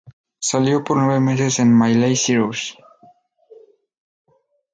Salió por nueve meses con Miley Cyrus.